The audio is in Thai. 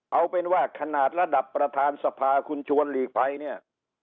เอาเป็นว่าขนาดระดับประธานสภาคุณชวนหลีกภัยเนี่ย